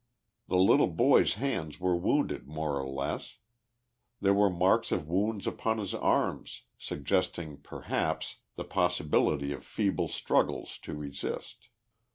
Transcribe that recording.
The little boy's hands were wounded more or less ; there were marks of wounds upon his arms, suggesting, perhaps, the possi bility of feeble struggles to resist.